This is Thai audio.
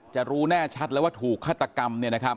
จะรู้แน่ชัดแล้วว่าถูกฆาตกรรม